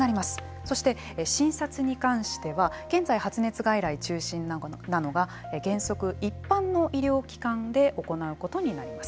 そして、診察に関しては現在、発熱外来中心なのが原則、一般の医療機関で行うことになります。